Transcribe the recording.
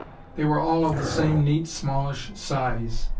They were all of the same neat, smallish size.